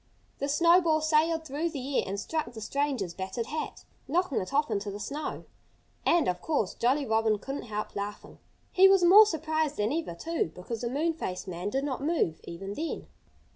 The snowball sailed through the air and struck the stranger's battered hat, knocking it off into the snow. And, of course, Jolly Robin couldn't help laughing. He was more surprised than ever, too, because the moon faced man did not move even then.